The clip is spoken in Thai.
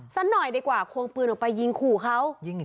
สักหน่อยดีกว่าควงปืนออกไปยิงขู่เขา